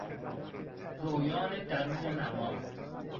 رویان درون نما